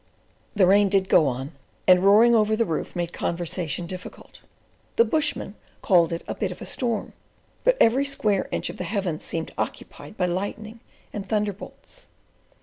The rain did go on, and, roaring over the roof, made conversation difficult. The bushmen called it a "bit of a storm"; but every square inch of the heavens seemed occupied by lightning and thunder bolts.